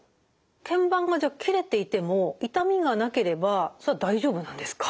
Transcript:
けん板が切れていても痛みがなければそれは大丈夫なんですか？